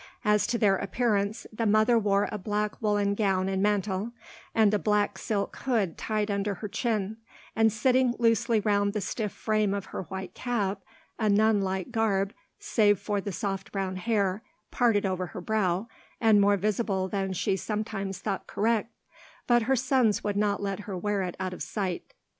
As to their appearance, the mother wore a black woollen gown and mantle, and a black silk hood tied under her chin, and sitting loosely round the stiff frame of her white cap—a nun like garb, save for the soft brown hair, parted over her brow, and more visible than she sometimes thought correct, but her sons would not let her wear it out of sight.